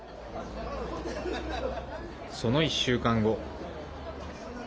その１週間後。